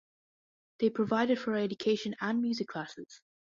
They provided for her education and music classes.